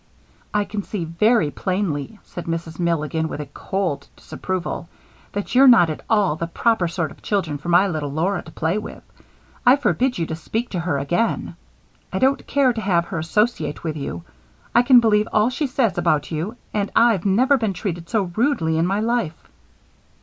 "I can see very plainly," said Mrs. Milligan, with cold disapproval, "that you're not at all the proper sort of children for my little Laura to play with. I forbid you to speak to her again; I don't care to have her associate with you. I can believe all she says about you, for I've never been treated so rudely in my life."